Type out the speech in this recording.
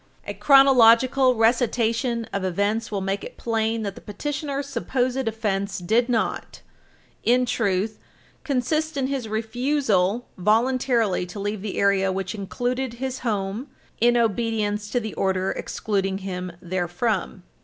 A chronological recitation of events will make it plain that the petitioner's supposed offense did not, in truth, consist in his refusal voluntarily to leave the area which included his home in obedience to the order excluding him therefrom.